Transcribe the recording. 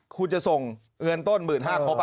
คุณจะส่งเงินต้น๑๕๐๐๐บาทครบอ่ะ